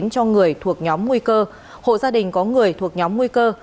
cho người thuộc nhóm nguy cơ hộ gia đình có người thuộc nhóm nguy cơ